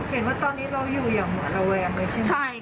เห็นว่าตอนนี้เราอยู่อย่างหวาดระแวงเลยใช่ไหม